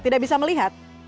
tidak bisa melihat